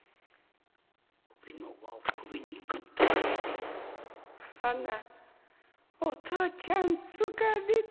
帯の輪を首にグッとかけて「ハナお父ちゃん疲れた。